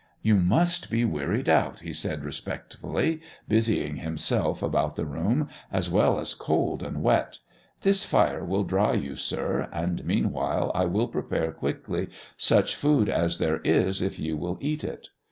"You must be wearied out," he said respectfully, busying himself about the room, "as well as cold and wet. This fire will dry you, sir, and meanwhile I will prepare quickly such food as there is, if you will eat it."